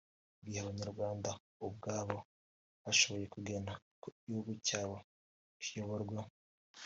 mu gihe Abanyarwanda ubwabo bashoboye kugena uko igihugu cyabo kiyoborwa